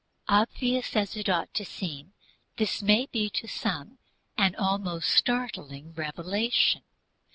Obvious as it ought to seem, this may be to some an almost startling revelation.